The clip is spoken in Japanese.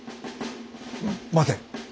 待て。